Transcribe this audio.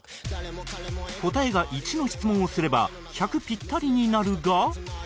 答えが１の質問をすれば１００ピッタリになるが